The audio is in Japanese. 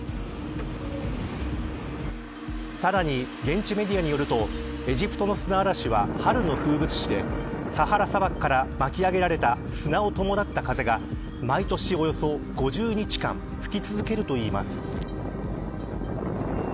さらに、現地メディアによるとエジプトの砂嵐は春の風物詩でサハラ砂漠から巻き上げられた砂を伴った風が毎年およそ５０日間吹き続けるといいます。